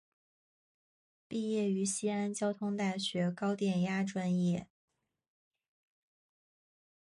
毕业于西安交通大学高电压专业。